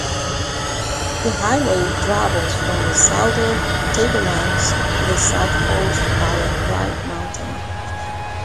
The highway travels from the Southern Tablelands to the South Coast via Clyde Mountain.